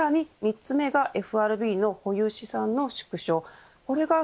３つ目がＦＲＢの保有資産の縮小です。